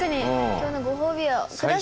今日のご褒美を下さい！